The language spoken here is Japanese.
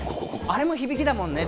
あれも響きだもんね